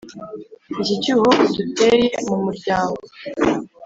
iki cyuho uduteye mu muryangooo